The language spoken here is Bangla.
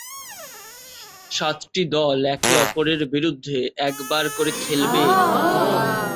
সাতটি দল একে-অপরের বিপক্ষে একবার করে খেলবে।